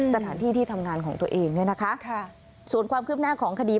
สถานที่ที่ทำงานของตัวเองเนี่ยนะคะส่วนความคืบหน้าของคดี